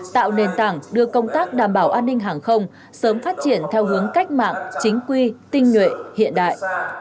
tạo nền tảng đưa công tác đảm bảo an ninh hàng không sớm phát triển theo hướng cách mạng chính quy tinh nguyện hiện đại